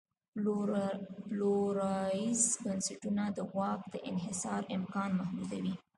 پلورالایز بنسټونه د واک دانحصار امکان محدودوي.